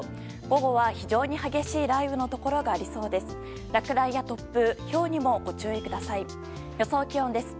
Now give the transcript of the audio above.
午後は、非常に激しい雷雨のところがありそうです。